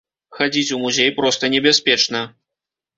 Хадзіць у музей проста небяспечна.